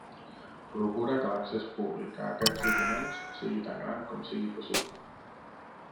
Procura que l'accés públic a aquests documents sigui tan gran com sigui possible.